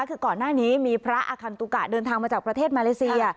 คือก่อนหน้านี้มีพระอาคันตุกะเดินทางมาจากประเทศมาเลเซีย